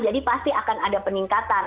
jadi pasti akan ada peningkatan